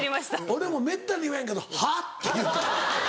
俺もめったに言わへんけど「はぁ？」って言うた。